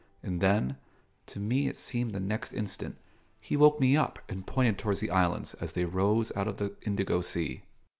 And then to me it seemed the next instant he woke me up and pointed towards the islands as they rose out of the indigo sea.